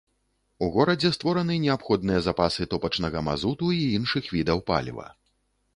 У горадзе створаны неабходныя запасы топачнага мазуту і іншых відаў паліва.